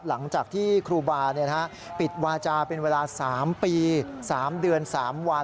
หลังจากที่ครูบาปิดวาจาเป็นเวลา๓ปี๓เดือน๓วัน